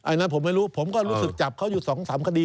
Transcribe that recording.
อันนั้นผมไม่รู้ผมก็รู้สึกจับเขาอยู่๒๓คดี